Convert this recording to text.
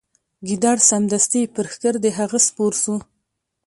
ګیدړ سمدستي پر ښکر د هغه سپور سو